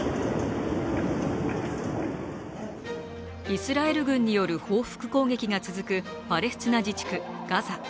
イスラエル軍による報復攻撃が続くパレスチナ自治区ガザ。